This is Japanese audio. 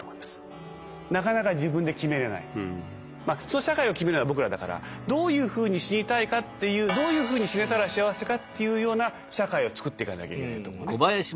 その社会を決めるのは僕らだからどういうふうに死にたいかっていうどういうふうに死ねたら幸せかっていうような社会をつくっていかなきゃいけないと思うね。